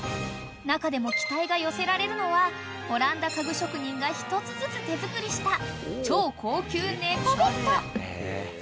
［中でも期待が寄せられるのはオランダ家具職人が１つずつ手作りした超高級猫ベッド］